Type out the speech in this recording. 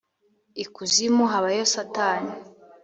ikuzimu habayo satani.